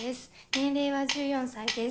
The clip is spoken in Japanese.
年齢は１４歳です